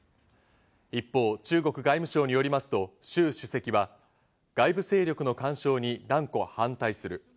一方、中国外務省によりますと、シュウ主席は外部勢力の干渉に断固反対する。